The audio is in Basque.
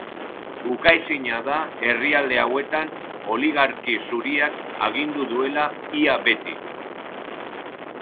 Ukaezina da herrialde hauetan oligarkia zuriak agindu duela ia beti.